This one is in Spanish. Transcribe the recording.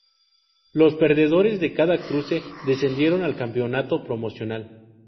Los perdedores de cada cruce descendieron al "Campeonato Promocional".